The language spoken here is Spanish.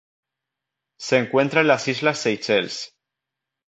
Se encuentra en las islas Seychelles.